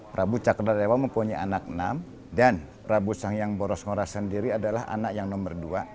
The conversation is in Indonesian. prabu cakrayawa mempunyai anak enam dan prabu sangyang boros ngora sendiri adalah anak yang nomor dua